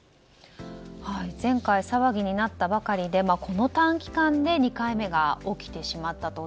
前回、騒ぎになったばかりでこの短期間で２回目が起きてしまったと。